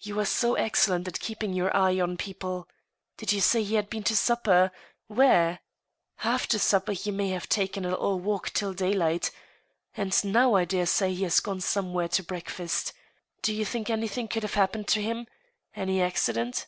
You are so excellent at keep ing your eye on people. ... Did you say he had been to supper ? Where ? After supper he may have taken a little walk till day light. ... And now, I dare say, he has gone somewhere to break fast. ... Do you think anything could have happened to him? Any accident